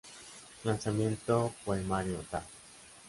Lanzamiento poemario "Das!